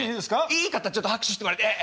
いい方ちょっと拍手してもらって。